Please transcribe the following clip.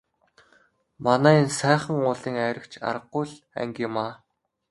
Манай энэ Сайхан уулын айраг ч аргагүй л анги юмаа.